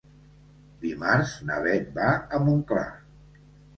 Dimarts na Beth va a Montclar.